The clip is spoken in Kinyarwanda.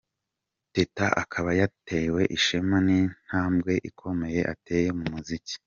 Teta akaba yatewe ishema n'intambwe ikomeye ateye mu muziki.